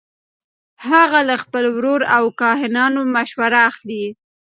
هغه له خپل ورور او کاهنانو مشوره اخلي.